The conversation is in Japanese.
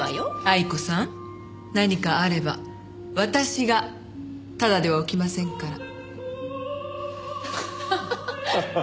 愛子さん何かあれば私がただではおきませんから。